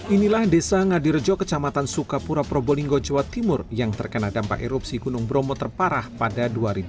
inilah desa ngadirejo kecamatan sukapura probolinggo jawa timur yang terkena dampak erupsi gunung bromo terparah pada dua ribu dua puluh